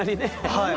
はい。